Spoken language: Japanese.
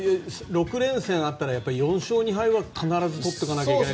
６連戦あったら４勝２敗は必ず取っていかないといけない。